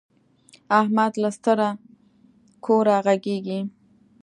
احمد له ستره کوره غږيږي.